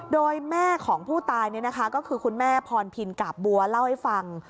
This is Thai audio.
โดยแม่ของผู้ตายก็คือคุณแม่พรพินกาบบัวเล่าให้ฟัง